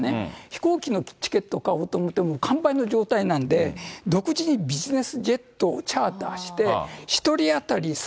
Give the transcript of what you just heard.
飛行機のチケットを買おうと思っても完売の状態なんで、独自にビジネスジェットをチャーターして、３００万！